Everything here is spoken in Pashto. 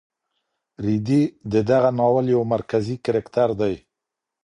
رېدی د دغه ناول یو مرکزي کرکټر دی.